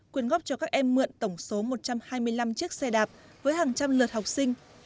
quyên góp cho các em mượn tổng số một trăm hai mươi năm chiếc xe đạp với hàng trăm lượt học sinh